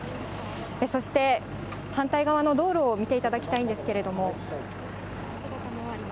そして反対側の道路を見ていただきたいんですけれども。